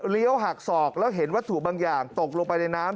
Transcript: หักศอกแล้วเห็นวัตถุบางอย่างตกลงไปในน้ำ